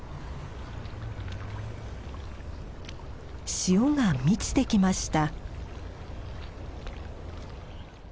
潮が満ちてきました。